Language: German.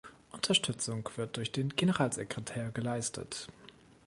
Unterstützung wird durch den Generalsekretär geleistet.